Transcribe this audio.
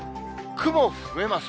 雲増えます。